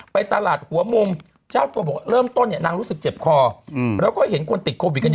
ไปตลาดหัวมุมเจ้าตัวบอกเริ่มต้นเนี่ยนางรู้สึกเจ็บคอแล้วก็เห็นคนติดโควิดกันเยอะ